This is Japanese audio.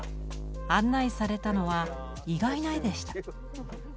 案内されたのは意外な絵でした。